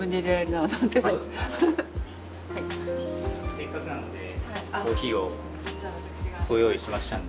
せっかくなのでコーヒーをご用意しましたんで。